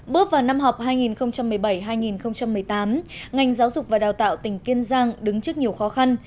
bước vào năm học hai nghìn một mươi bảy hai nghìn một mươi tám ngành giáo dục và đào tạo tỉnh kiên giang đứng trước nhiều khó khăn